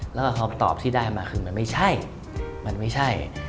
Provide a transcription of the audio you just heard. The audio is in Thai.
แล้วก็คำตอบที่ได้มาคือมันไม่ใช่มันไม่ใช่